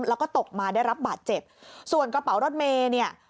แล้วก็ตกมาได้รับบาดเจ็บส่วนกระเป๋ารถเมย์เนี่ย